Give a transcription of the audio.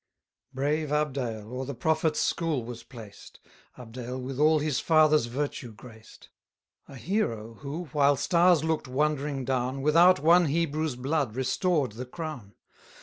Brave Abdael o'er the prophet's school was placed Abdael with all his father's virtue graced; A hero who, while stars look'd wondering down, Without one Hebrew's blood restored the crown.